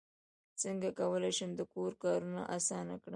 څنګه کولی شم د کور کارونه اسانه کړم